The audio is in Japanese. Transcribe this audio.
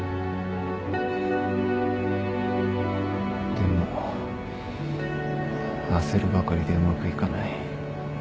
でも焦るばかりでうまくいかない。